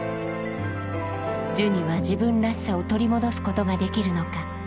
ジュニは自分らしさを取り戻すことができるのか。